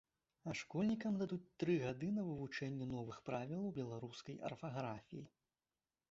А школьнікам дадуць тры гады на вывучэнне новых правілаў беларускай арфаграфіі.